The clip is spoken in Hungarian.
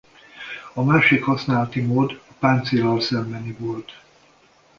A másik használati mód a páncéllal szembeni volt.